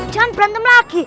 jangan berantem lagi